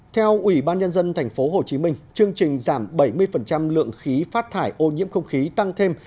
theo ủy ban nhân dân tp hcm chương trình giảm bảy mươi lượng khí phát thải ô nhiễm không khí tăng thêm